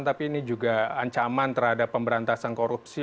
tapi ini juga ancaman terhadap pemberantasan korupsi